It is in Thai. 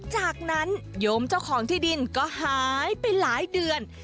จากนั้นโยมเจ้าของที่ดินก็หายไปหลายเดือน